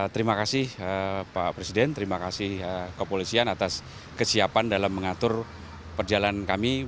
terima kasih pak presiden terima kasih kepolisian atas kesiapan dalam mengatur perjalanan kami